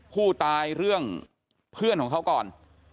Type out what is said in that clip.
ผู้ตายเรื่องเพื่อนของเขาก่อน